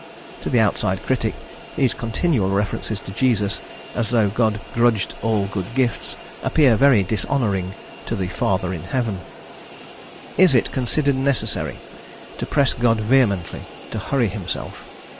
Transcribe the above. To the outside critic, these continual references to Jesus, as though God grudged all good gifts, appear very dishonouring to the "Father in Heaven." Is it considered necessary to press God vehemently to hurry himself?